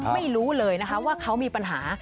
ไม่รู้เลยนะคะว่าเขามีปัญหา